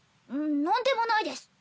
何でもないです！